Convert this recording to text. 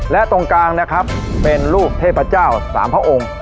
และตรงกลางนะครับเป็นรูปเทพเจ้าสามพระองค์